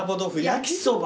焼きそば？